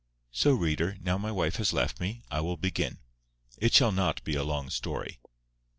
So, reader, now my wife has left me, I will begin. It shall not be a long story.